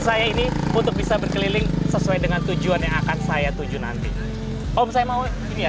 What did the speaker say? saya ini untuk bisa berkeliling sesuai dengan tujuan yang akan saya tuju nanti om saya mau ini ya